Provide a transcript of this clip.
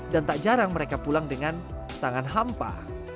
dan tak jarang mereka pulang dengan tangan hampa